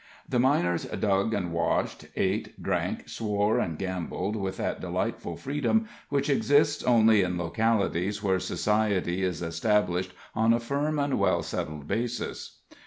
The miners dug and washed, ate, drank, swore and gambled with that delightful freedom which exists only in localities where society is established on a firm and well settled basis.